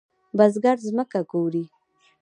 بزګر زمکه کوري.